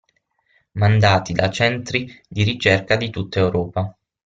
Mandati da centri di ricerca di tutta Europa.